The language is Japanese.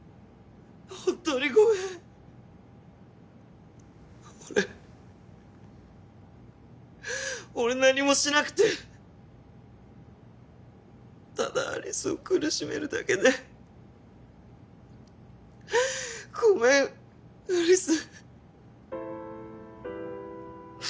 本当にごめん俺俺何もしなくてただ有栖を苦しめるだけでごめん有栖